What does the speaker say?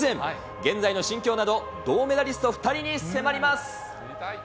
現在の心境など、銅メダリスト２人に迫ります。